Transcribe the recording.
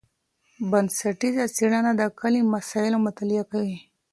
بنسټیزه څېړنه د کلي مسایلو مطالعه کوي.